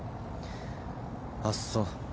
あっそう。